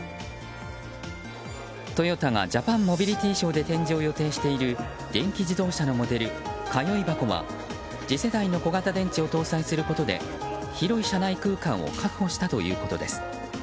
トヨタがジャパンモビリティショーで展示を予定している電気自動車のモデルＫＡＹＯＩＢＡＫＯは次世代の小型電池を搭載することで広い車内空間を確保したということです。